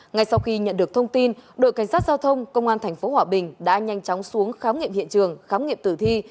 ngay sau khi nhận được thông tin đội cảnh sát giao thông công an tp hòa bình đã nhanh chóng xuống khám nghiệm hiện trường khám nghiệm tử thi